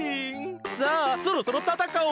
さあそろそろたたかおう！